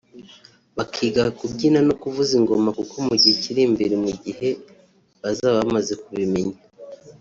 bakiga kubyina no kuvuza ingoma kuko mu gihe kiri imbere mu gihe bazaba bamaze kubimenya